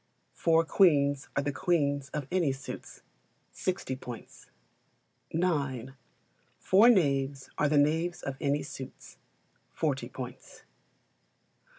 Four Queens are the queens of any suits 60 points. ix. Four knaves are the knaves of any suits 40 points.